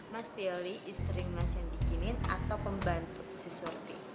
mas fielly istri mas yang bikinin atau pembantu si surti